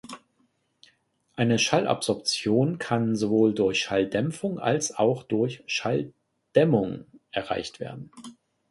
Eine Schallabsorption kann sowohl durch Schalldämpfung als auch durch Schalldämmung erreicht werden.